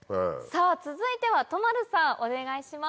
続いては都丸さんお願いします。